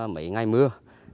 mấy ngày mưa